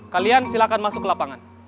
kalian silakan masuk ke lapangan